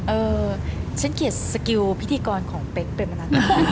เออฉันเขียนสกิลพิธีกรของเป๊ะเป็นมันนะ